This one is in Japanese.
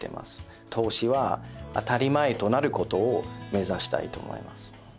投資は当たり前となる事を目指したいと思います。